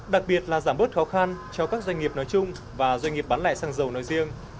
đặc biệt là giảm bớt khó khăn cho các doanh nghiệp nói chung và doanh nghiệp bán lại xăng dầu nói riêng